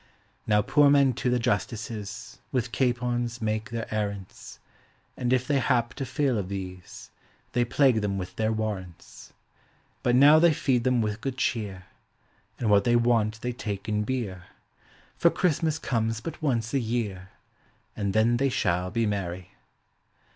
Now poor men to the justices With capons make their errants; And if they hap to fail of these. They plague them with their warrants: Rut now they feed them with good cheer, And what they want they take in beer; For Christmas comes but once a year, And then they shall be merry.